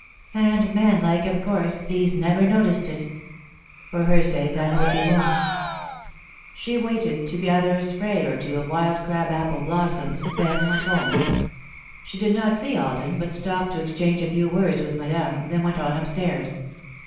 And, man like, of course, he's never noticed it. For her sake, I hope he won't." [Sidenote: Like a Nymph] She waited to gather a spray or two of wild crab apple blossoms, then went home. She did not see Alden, but stopped to exchange a few words with Madame, then went on up stairs.